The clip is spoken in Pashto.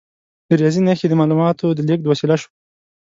د ریاضي نښې د معلوماتو د لیږد وسیله شوه.